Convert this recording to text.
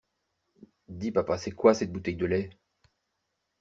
Dis papa, c'est quoi cette bouteille de lait?